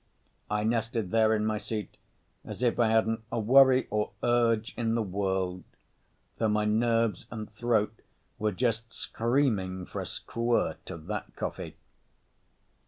I nested there in my seat as if I hadn't a worry or urge in the world—though my nerves and throat were just screaming for a squirt of that coffee.